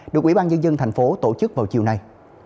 được ủy ban nhân dân thành phố tổ chức vào chiều nay